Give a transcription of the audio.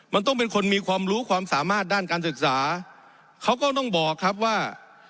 มันต้องเป็นคนมีความรู้ความสามารถด้านการศึกษาเขาก็ต้องบอกครับว่า